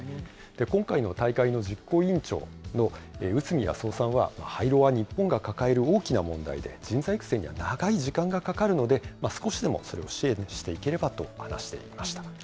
今回の大会の実行委員長の内海康雄さんは、廃炉は日本が抱える大きな問題で、人材育成には長い時間がかかるので、少しでもそれを支援していければと話していました。